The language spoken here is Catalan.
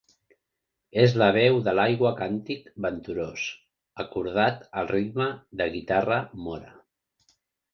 És la veu de l'aigua càntic venturós, acordat al ritme de guitarra mora.